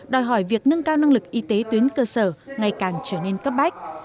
đòi hỏi việc nâng cao năng lực y tế tuyến cơ sở ngày càng trở nên cấp bách